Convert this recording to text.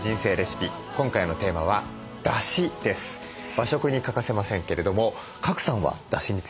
和食に欠かせませんけれども賀来さんはだしについては？